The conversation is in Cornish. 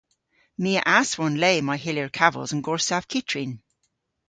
My a aswon le may hyllir kavos an gorsav kyttrin.